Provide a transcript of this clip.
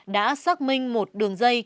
đã xác minh một đường dây